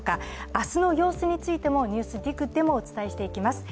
明日の様子についても「ＮＥＷＳＤＩＧ」でもお伝えしていきます。